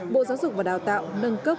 bộ giáo dục và đào tạo nâng cấp